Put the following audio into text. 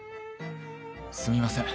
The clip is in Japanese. すみません